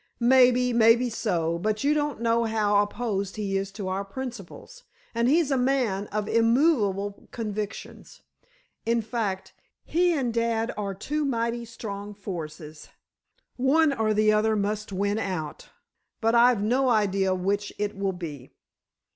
"Maybe—maybe so. But you don't know how opposed he is to our principles. And he's a man of immovable convictions. In fact, he and dad are two mighty strong forces. One or the other must win out—but I've no idea which it will be."